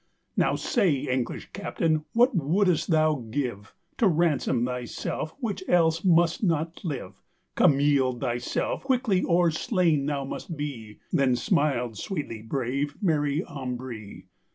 "Now saye, English captaine, what woldest thou give To ransome thy selfe, which else must not live? Come yield thy selfe quicklye, or slaine thou must bee:" Then smiled sweetlye brave Mary Ambree.